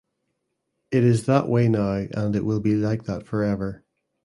It is that way now and it will be like that forever.